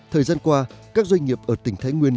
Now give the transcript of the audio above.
thời gian qua các doanh nghiệp ở tỉnh thái nguyên